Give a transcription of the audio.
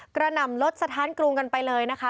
หนำรถสถานกรุงกันไปเลยนะคะ